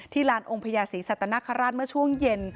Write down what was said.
ที่ร้านองค์พระยาศรีสัตนครราชเมื่อช่วงเย็น